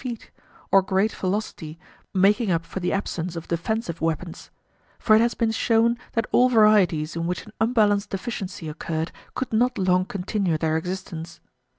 62]] feet, or great velocity making up for the absence of defensive weapons; for it has been shown that all varieties in which an unbalanced deficiency occurred could not long continue their existence.